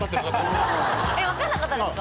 分かんなかったですか？